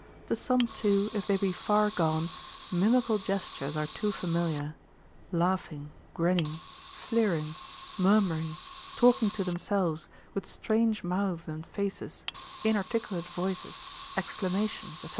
To some too, if they be far gone, mimical gestures are too familiar, laughing, grinning, fleering, murmuring, talking to themselves, with strange mouths and faces, inarticulate voices, exclamations, &c.